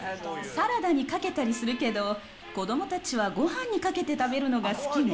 サラダにかけたりするけど、子どもたちはごはんにかけて食べるのが好きね。